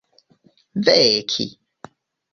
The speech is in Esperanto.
veki